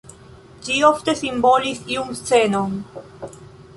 Ĝi ofte simbolis iun scenon.